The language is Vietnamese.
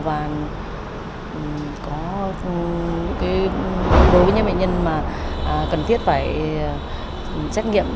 và có những cái đối với những bệ nhân mà cần thiết phải xét nghiệm